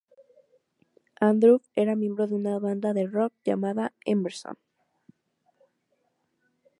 Andrew era miembro de una banda de rock llamada "Emerson".